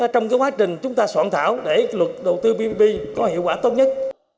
trong quá trình chúng ta soạn thảo để luật đầu tư ppp có hiệu quả tốt nhất